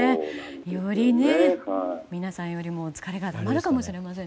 より皆さんより疲れがたまるかもしれません。